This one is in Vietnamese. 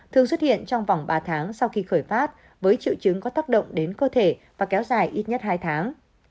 thường xuất hiện trong vòng ba tháng sau khi khởi phát với triệu chứng có tác động đến cơ thể và kéo dài ít nhất hai tháng